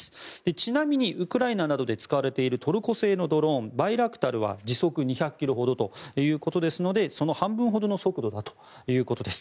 ちなみにウクライナなどで使われているトルコ製のドローンバイラクタルは時速２００ｋｍほどということですのでその半分ほどの速度だということです。